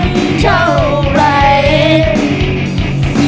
ที่เธอเย็นชั้นเท่าไหร่